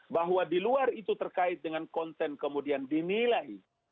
bahwa di luar itu terkait dengan konten kemudian dinilai